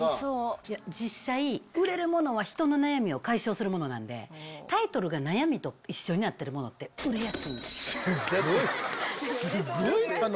いや、実際売れるものは人の悩みを解消するものなので、タイトルが悩みと一緒になってるものって、売れやすいねん。